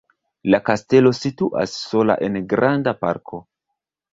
La kastelo situas sola en granda parko.